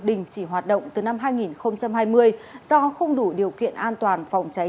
đình chỉ hoạt động từ năm hai nghìn hai mươi do không đủ điều kiện an toàn phòng cháy